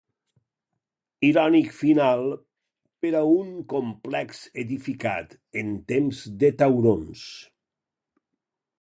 Irònic final per a un complex edificat en temps de taurons.